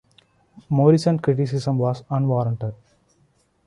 Morison's criticism was unwarranted.